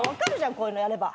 こういうのやれば。